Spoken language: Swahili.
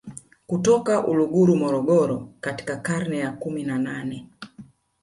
kutoka Uluguru Morogoro katika karne ya kumi na nane